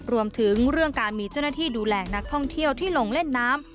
รวมถึงเรื่องการมีเจ้าหน้าที่ดูแลนักท่องเที่ยวที่ลงเล่นน้ำ